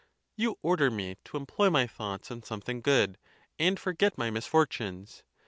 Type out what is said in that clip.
You order me to employ my thoughts on something good, and forget my misfortunes.